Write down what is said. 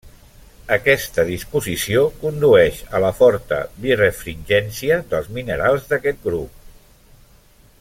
Aquesta disposició condueix a la forta birefringència dels minerals d'aquest grup.